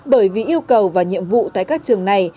bởi vì yêu cầu và nhiệm vụ tại các trường này